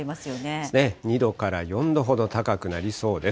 ですね、２度から４度ほど高くなりそうです。